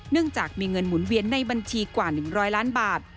เนื่องจากมีเงินหมุนเวียนในบัญชีกว่า๑๐๐ล้านบาท